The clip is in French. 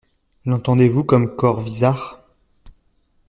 L'entendez-vous comme Corvisart ?